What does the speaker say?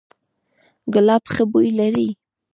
ګلاب ښه بوی لري